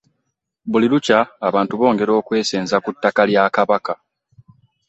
Buli lukya abantu bongera okwesenza ku ttaka lya Kabaka